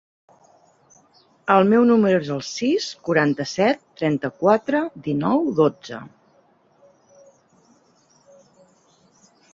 El meu número es el sis, quaranta-set, trenta-quatre, dinou, dotze.